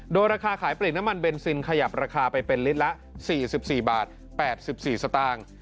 โดยราคาขายปลีกน้ำมันเบนซินขยับราคาไปเป็นลิตรละ๔๔บาท๘๔สตางค์